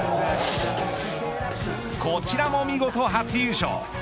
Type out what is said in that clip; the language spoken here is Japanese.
こちらも見事初優勝。